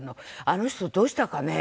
「あの人どうしたかね？」